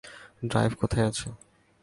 Drive কোথায় আছে?